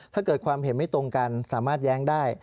ถ้าเกิดความเห็นไม่ตรงกันสามารถแย้งได้